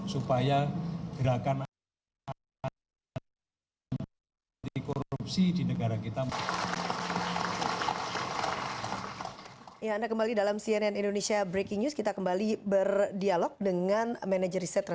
supaya gerakan anti korupsi di negara kita